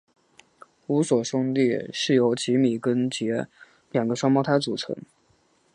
乌索兄弟是由吉米跟杰两个双胞胎组成。